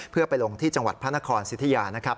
เพื่อไปลงที่จังหวัดพระนครสิทธิยานะครับ